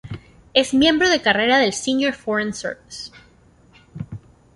Es miembro de carrera del Senior Foreign Service.